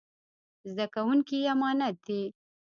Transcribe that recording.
زده کوونکي يې امانت دي.